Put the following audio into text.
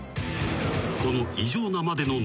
［この］